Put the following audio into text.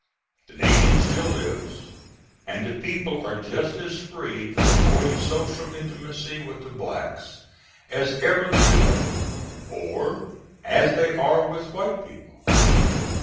The nation still lives, and the people are just as free to avoid social intimacy with the blacks as ever they were, or as they are with white people.